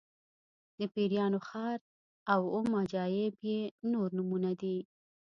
د پیریانو ښار او اووم عجایب یې نور نومونه دي.